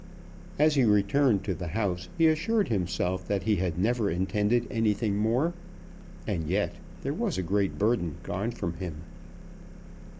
As he returned to the house he assured himself that he had never intended anything more. And yet there was a great burden gone from him.